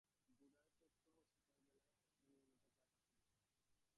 গোরার প্রত্যহ সকালবেলায় একটা নিয়মিত কাজ ছিল।